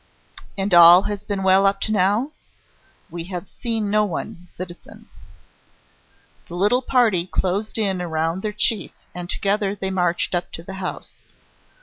"And all has been well up to now?" "We have seen no one, citizen." The little party closed in around their chief and together they marched up to the house.